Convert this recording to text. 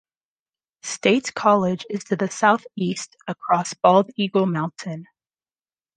State College is to the southeast across Bald Eagle Mountain.